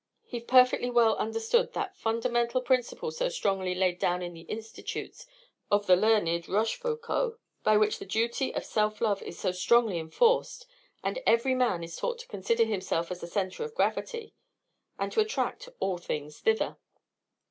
He perfectly well understood that fundamental principle so strongly laid down in the institutes of the learned Rochefoucault, by which the duty of self love is so strongly enforced, and every man is taught to consider himself as the centre of gravity, and to attract all things thither.